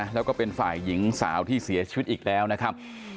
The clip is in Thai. แล้วก็เป็นฝ่ายหญิงสาวที่เสียชีวิตอีกแล้วนะครับ